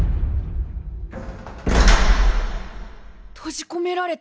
閉じこめられた。